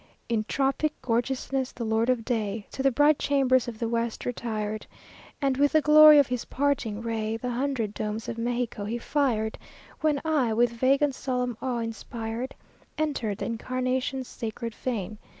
In tropic gorgeousness, the Lord of Day To the bright chambers of the west retired, And with the glory of his parting ray The hundred domes of Mexico he fired, When I, with vague and solemn awe inspired, Entered the Incarnation's sacred fane.